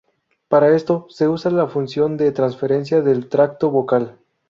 Para esto se usa la función de transferencia del tracto vocal.